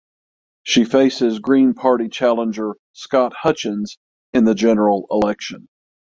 She faces Green Party challenger Scott Hutchins in the general election.